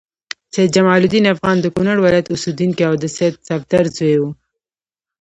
سید جمال الدین افغان د کونړ ولایت اوسیدونکی او د سید صفدر زوی و.